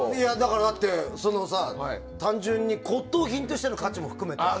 だって、単純に骨董品としての価値も含めて。